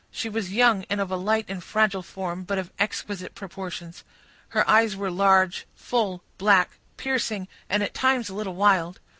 She was young, and of a light and fragile form, but of exquisite proportions. Her eyes were large, full, black, piercing, and at times a little wild.